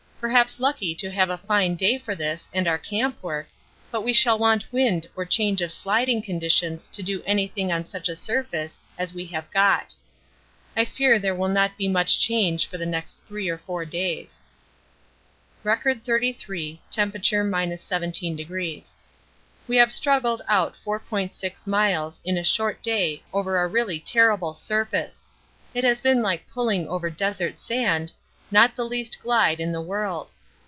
Perhaps lucky to have a fine day for this and our camp work, but we shall want wind or change of sliding conditions to do anything on such a surface as we have got. I fear there will not be much change for the next 3 or 4 days. R. 33. Temp. 17°. We have struggled out 4.6 miles in a short day over a really terrible surface it has been like pulling over desert sand, not the least glide in the world.